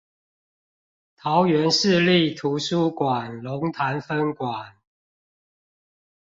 桃園市立圖書館龍潭分館